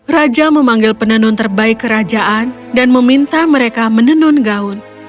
raja memanggil penenun terbaik kerajaan dan meminta mereka menenun gaun